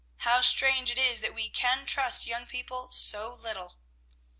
How strange it is that we can trust young people so little!"